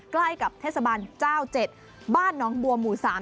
ใกล้กับเทศบาลเจ้า๗บ้านน้องบัวหมู่๓